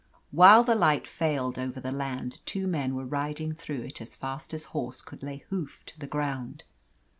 While the light failed over the land two men were riding through it as fast as horse could lay hoof to the ground.